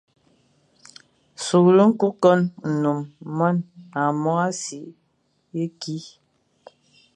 Sughle ñkôkon, nnôm, mône, é môr a si ye kî,